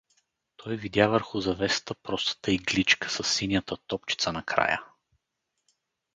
Той видя върху завесата простата игличка със синята топчица накрая.